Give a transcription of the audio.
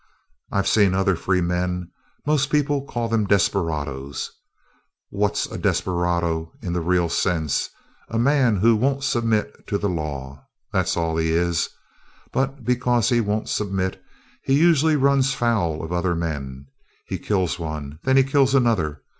"I've seen other free men most people called them desperadoes. What's a desperado in the real sense? A man who won't submit to the law. That's all he is. But, because he won't submit, he usually runs foul of other men. He kills one. Then he kills another.